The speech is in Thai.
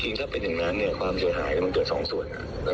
ถ้าเป็นอย่างนั้นเนี่ยความเสียหายมันเกิดสองส่วน